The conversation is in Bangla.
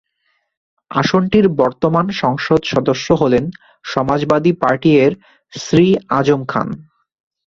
আসনটির বর্তমান সংসদ সদস্য হলেন সমাজবাদী পার্টি-এর শ্রী আজম খান।